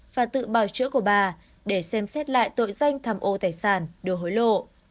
và tự bảo chữa của bà để xem xét lại tội danh tham ô tài sản đưa hối lộ